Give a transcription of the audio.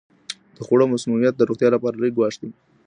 د خوړو مسمومیت د روغتیا لپاره لوی ګواښ دی.